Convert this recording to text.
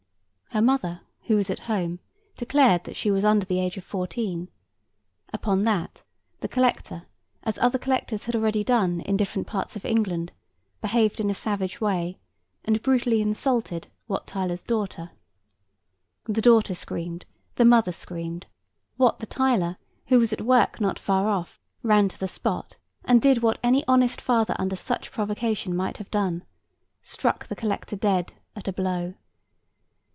Her mother, who was at home, declared that she was under the age of fourteen; upon that, the collector (as other collectors had already done in different parts of England) behaved in a savage way, and brutally insulted Wat Tyler's daughter. The daughter screamed, the mother screamed. Wat the Tiler, who was at work not far off, ran to the spot, and did what any honest father under such provocation might have done—struck the collector dead at a blow.